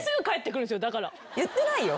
言ってないよ。